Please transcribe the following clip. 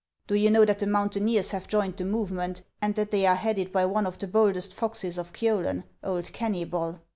Do you know that the mountaineers have joined the movement, and that they are headed by one of the boldest foxes of Kiolen, old Kennybol ?